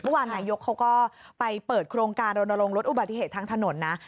เมื่อวานนายกเขาก็ไปเปิดโครงการลดนาลงลดอุบัติเหตุทางถนนนะ